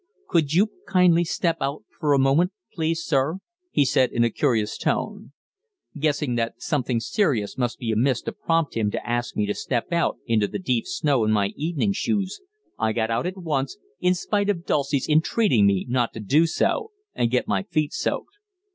"Could you kindly step out for a moment, please, sir?" he said in a curious tone. Guessing that something serious must be amiss to prompt him to ask me to step out into the deep snow in my evening shoes, I got out at once, in spite of Dulcie's entreating me not to do so and get my feet soaked.